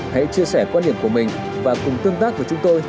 hãy chia sẻ quan điểm của mình và cùng tương tác với chúng tôi